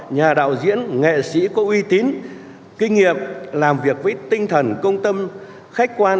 nhà đạo diễn nghệ sĩ có uy tín kinh nghiệm làm việc với tinh thần công tâm khách quan